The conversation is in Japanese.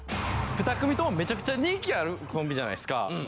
２組ともめちゃくちゃ人気あるコンビじゃないですか。